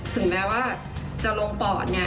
ถึงแม้ว่าจะลงปอดไง